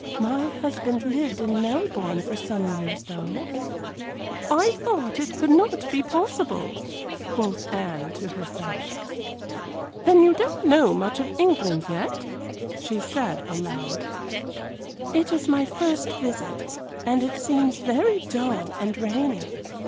My husband lived in Melbourne for some years, though." "I thought it could not be possible," quoth Anne to herself. "Then you don't know much of England yet?" she said, aloud. "It is my first visit; and it seems very dull and rainy.